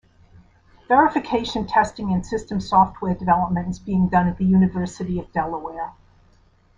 Verification testing and system software development is being done at the University of Delaware.